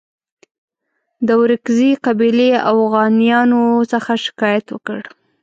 د ورکزي قبیلې اوغانیانو څخه شکایت وکړ.